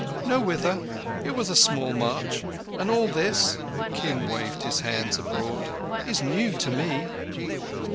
"Nowhither—it was a small march, and all this"—Kim waved his hands abroad—"is new to me."